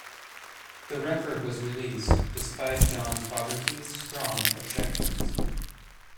The record was released despite John Fogerty's strong objections.